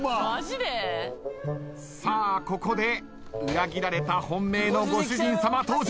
さあここで裏切られた本命のご主人さま登場。